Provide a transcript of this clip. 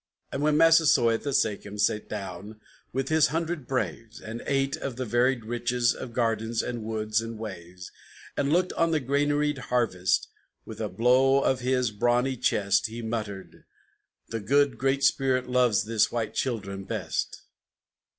And when Massasoit, the Sachem, sate down with his hundred braves, And ate of the varied riches of gardens and woods and waves, And looked on the granaried harvest, with a blow on his brawny chest, He muttered, "The good Great Spirit loves His white children best!"